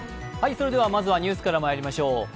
まずはニュースからまいりましょう。